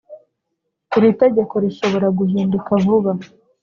iri tegeko rishobora guhinduka vuba